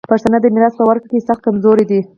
پښتانه د میراث په ورکړه کي سخت کمزوري دي.